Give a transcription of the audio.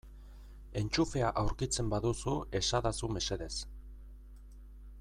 Entxufea aurkitzen baduzu esadazu mesedez.